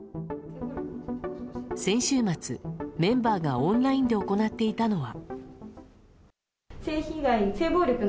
先週末、メンバーがオンラインで行っていたのは。